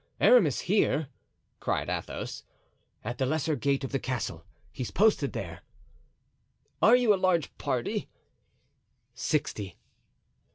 Aramis here?" cried Athos. "At the lesser gate of the castle; he's posted there." "Are you a large party?" "Sixty."